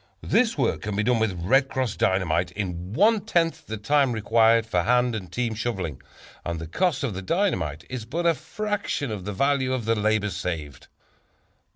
This work can be done with "Red Cross" Dynamite in one tenth the time required for hand and team shoveling, and the cost of the dynamite is but a fraction of the value of the labor saved.